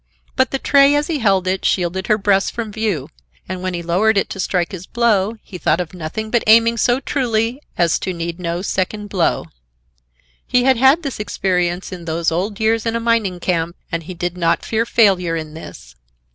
But the tray, as he held it, shielded her breast from view, and when he lowered it to strike his blow, he thought of nothing but aiming so truly as to need no second blow. He had had his experience in those old years in a mining camp, and he did not fear failure in this.